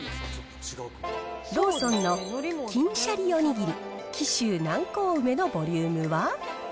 ローソンの金しゃりおにぎり紀州南高梅のボリュームは。